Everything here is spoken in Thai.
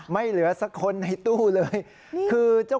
ไม่เหลือสักคนในตู้เลย